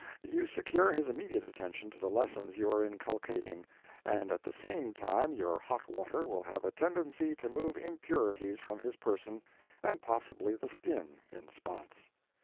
You secure his immediate attention to the lessons you are inculcating, and at the same time your hot water will have a tendency to move impurities from his person, and possibly the skin, in spots.